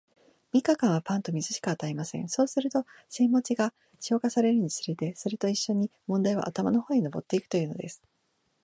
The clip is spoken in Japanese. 三日間は、パンと水しか与えません。そうすると、煎餅が消化されるにつれて、それと一しょに問題は頭の方へ上ってゆくというのです。